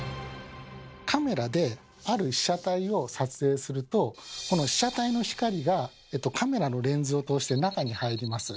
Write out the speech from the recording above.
カメラである被写体を撮影するとこの被写体の光がカメラのレンズを通して中に入ります。